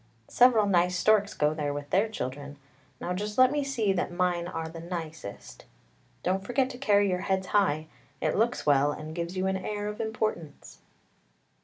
Several nice storks go there with their children; now just let me see that mine are the nicest. Don't forget to carry your heads high; it looks well, and gives you an air of importance."